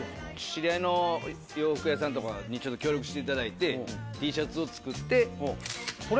知り合いの洋服屋さんとかにちょっと協力していただいてＴシャツを作ってこれ？